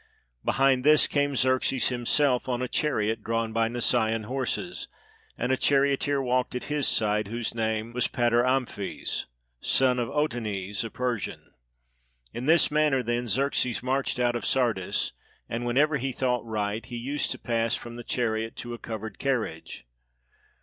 Behind this came Xerxes himself, on a chariot drawn by Nisaean horses ; and a charioteer walked at his side, whose name was Patiramphes, son of Otanes, a Persian. In this manner, then, Xerxes marched out of Sardis, and whenever he thought right, he used to pass from the 357 PERSIA chariot to a covered carriage.